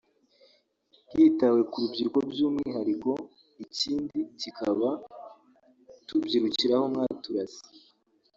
hitawe ku rubyiruko by’umwihariko”; ikindi kikaba “Tubyirukira aho mwaturaze